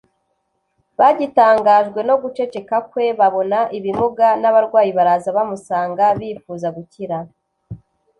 Bagitangajwe no guceceka kwe, babona ibimuga n'abarwayi baraza bamusanga, bifuza gukira.